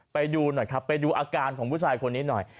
ไปดูหน่อยครับไปดูอาการของผู้ชายคนนี้หน่อย